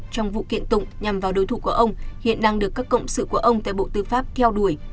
trong vụ kiện tụng nhằm vào đối thủ của ông hiện đang được các cộng sự của ông tại bộ tư pháp theo đuổi